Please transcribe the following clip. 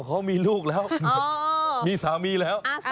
เขามีลูกแล้วมีสามีแล้ว